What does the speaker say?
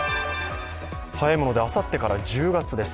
早いもので、あさってから１０月です。